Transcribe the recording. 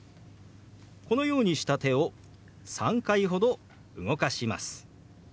このようにした手を３回ほど動かします。